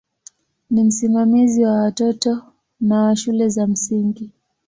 Ni msimamizi wa watoto na wa shule za msingi.